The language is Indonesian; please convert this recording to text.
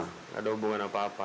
tidak ada hubungan apa apa